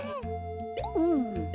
うん。